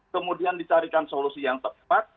kemudian dicarikan solusi yang tepat